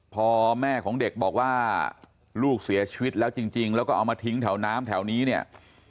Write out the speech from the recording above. พอแม่ของเด็กบอกว่าลูกเสียชีวิตแล้วจริงแล้วก็เอามาทิ้งแถวน้ำแถวนี้เนี่ย